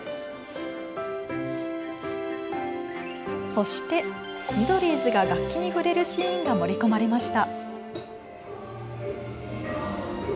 そして、ミドリーズが楽器に触れるシーンが盛り込まれました。